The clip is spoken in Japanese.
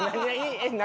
えっ何？